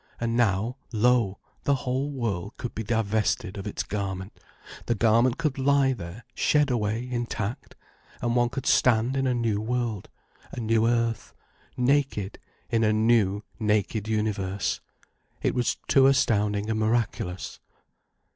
And now, lo, the whole world could be divested of its garment, the garment could lie there shed away intact, and one could stand in a new world, a new earth, naked in a new, naked universe. It was too astounding and miraculous.